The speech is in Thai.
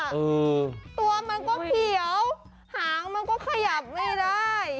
เออตัวมันก็เขียวหางมันก็ขยับไม่ได้